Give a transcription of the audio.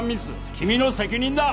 君の責任だ！